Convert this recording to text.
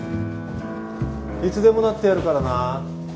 いつでもなってやるからな。